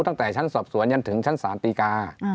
ตั้งแต่ชั้นสอบสวนยันถึงชั้นศาลตีกา